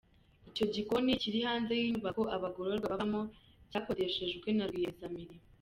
Icyo gikoni kiri hanze y’inyubako abagororwa babamo, cyakodeshejwe na Rwiyemezamirimo.